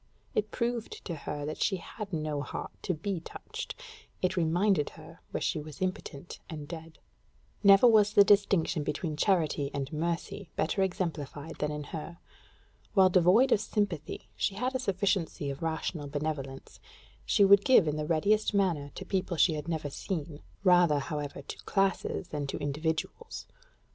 It proved to her that she had no heart to be touched: it reminded her where she was impotent and dead. Never was the distinction between charity and mercy better exemplified than in her. While devoid of sympathy, she had a sufficiency of rational benevolence: she would give in the readiest manner to people she had never seen rather, however, to classes than to individuals.